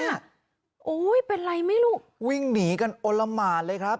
โอ้โหเป็นไรไหมลูกวิ่งหนีกันโอละหมานเลยครับ